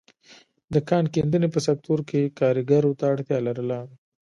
د کان کیندنې په سکتور کې کارګرو ته اړتیا لرله.